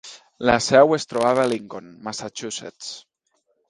La seu es trobava a Lincoln, Massachusetts.